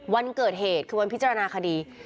วันเกิดเหตุคือวันพิจารณาคดี